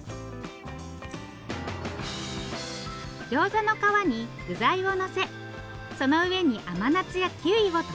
ギョーザの皮に具材をのせその上に甘夏やキウイをトッピング。